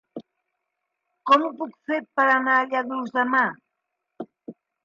Com ho puc fer per anar a Lladurs demà?